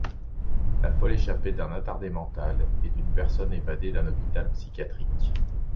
La folle échappée d'un attardé mental et d'une personne évadée d'un hôpital psychiatrique.